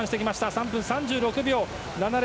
３分３６秒７０。